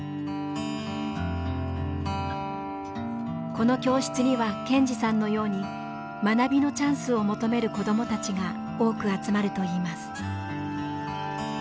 この教室にはケンジさんのように学びのチャンスを求める子どもたちが多く集まるといいます。